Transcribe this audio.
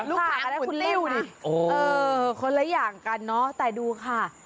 ลูกข่างคุณเลี่ยวนะคนละอย่างกันเนาะแต่ดูค่ะ